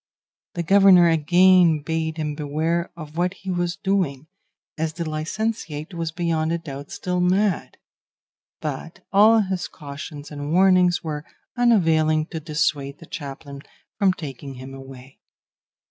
The governor again bade him beware of what he was doing, as the licentiate was beyond a doubt still mad; but all his cautions and warnings were unavailing to dissuade the chaplain from taking him away.